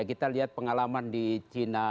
kita lihat pengalaman di china